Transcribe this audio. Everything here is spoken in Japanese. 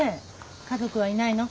家族はいないの？